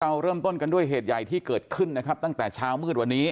เราเริ่มต้นกันด้วยเหตุใหญ่ที่เกิดขึ้นนะครับตั้งแต่เช้ามืดวันนี้